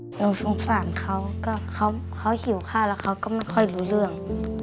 หนูสงสารเขาก็เขาหิวข้าวแล้วเขาก็ไม่ค่อยรู้เรื่อง